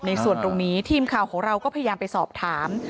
ในส่วนตรงนี้ทีมข่าวของเราก็พยายามไปสอบถาม